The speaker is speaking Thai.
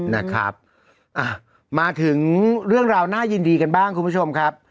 นะครับอ่ะมาถึงเรื่องราวน่ายินดีกันบ้างคุณผู้ชมครับ